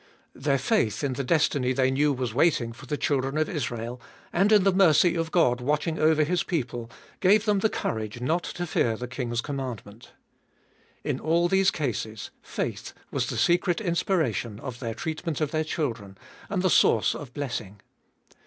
Their faith in the destiny they knew was waiting for the children of Israel, and in the mercy of God watching over his people, gave them the courage not to fear the king's commandment. In all these cases faith was the secret inspiration of their treatment of their children, and the source of blessing.